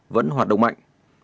vẫn hoạt động mạnh